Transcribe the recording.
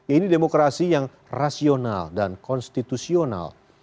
ini demokrasi yang rasional dan konstitusional